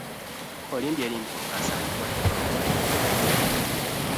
Olimbyelimbye mukasa nti Wannema mulwadde .